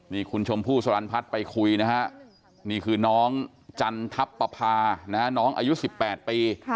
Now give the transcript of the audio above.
นี่คุณชมพู่สรรพัฒน์ไปคุยนะฮะนี่คือน้องจันทัพปภาน้องอายุ๑๘ปี